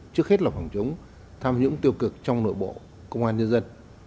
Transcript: trước hết là phòng chống tham nhũng tiêu cực trong nội bộ công an nhân dân